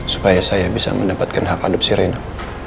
supaya saya bisa mendapatkan hak adonan si rina